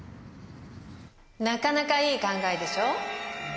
なかなかいい考えでしょ？